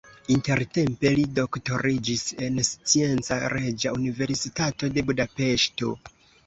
Intertempe li doktoriĝis en Scienca Reĝa Universitato de Budapeŝto.